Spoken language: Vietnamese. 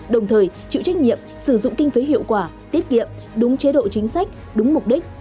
đồng thời chịu trách nhiệm sử dụng kinh phế hiệu quả tiết kiệm đúng chế độ chính sách đúng mục đích